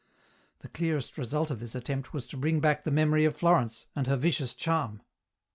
The clearest result of this attempt was to bring back the memory of Florence, and her vicious charm.